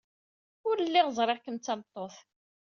Ur lliɣ ẓriɣ kemm d tameṭṭut.